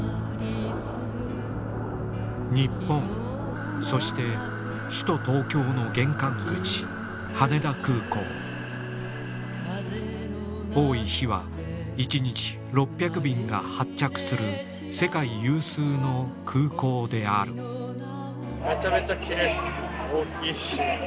日本そして首都・東京の玄関口羽田空港多い日は１日６００便が発着する世界有数の空港であるなるほど。